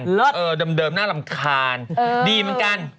เดิมน่ารำคาญดีเหมือนกัน